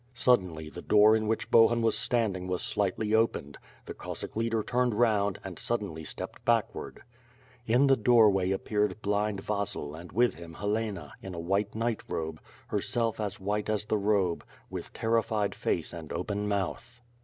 Suddenly, the door in which Bohun was standing was slightly opened. The Cossack leader turned round and sud denly stepped backward. 230 W''^'' P^^^' ^^'^ SWOklK In the doorway appeared blind Va^il and with him, Helena, in a white nightrobe, herself as white at? the robe, wilii terri fied face and open mouth.